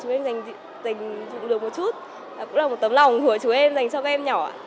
chúng em dành dụng lượng một chút cũng là một tấm lòng của chúng em dành cho các em nhỏ ạ